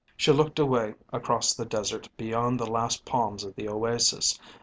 She looked away across the desert beyond the last palms of the oasis.